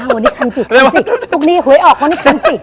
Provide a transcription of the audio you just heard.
วันนี้คันจิกคันจิกตรงนี้หวยออกวันนี้คันจิก